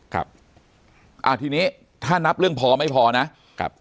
ครับอ่าทีนี้ถ้านับเรื่องพอไม่พอนะครับ